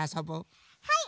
はい！